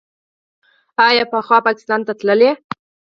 آیا پخوا پاکستان ته تلل؟